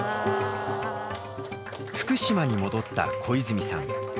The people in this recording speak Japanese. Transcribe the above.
福島に戻った小泉さん。